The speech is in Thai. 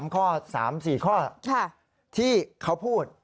ข้อ๓๔ข้อที่เขาพูด